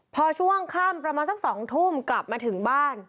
พอช่วงค่ำประมาณสัก๒ทุ่มกลับมาถึงบ้าน